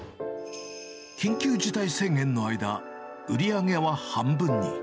緊急事態宣言の間、売り上げは半分に。